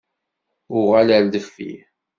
Uɣal ar deffir!